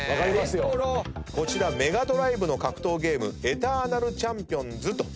こちらメガドライブの格闘ゲーム『エターナルチャンピオンズ』と。